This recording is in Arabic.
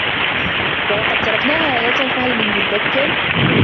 وَلَقَد تَرَكناها آيَةً فَهَل مِن مُدَّكِرٍ